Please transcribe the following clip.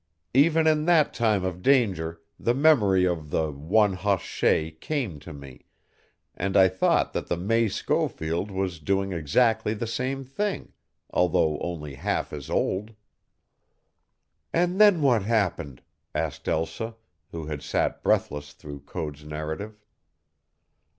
Even, in that time of danger, the memory of the 'One Hoss Shay' came to me, and I thought that the May Schofield was doing exactly the same thing, although only half as old." "And then what happened?" asked Elsa, who had sat breathless through Code's narrative.